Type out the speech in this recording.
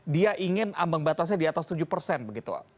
dia ingin ambang batasnya di atas tujuh persen begitu